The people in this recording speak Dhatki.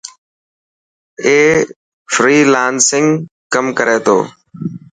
اي فرالانس ڪم ڪري تو.